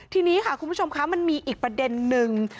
ทีนี้ค่ะคุณผู้ชมคะมันมีอีกประเด็นนึง